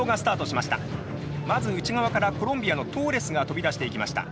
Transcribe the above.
まず内側からコロンビアのトーレスが飛び出していきました。